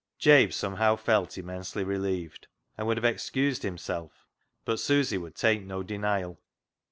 Jabe somehow felt immensely relieved, and would have excused himself, but Susy would take no denial.